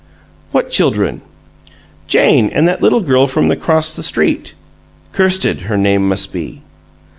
"What children?" "Jane and that little girl from across the street Kirsted, her name must be."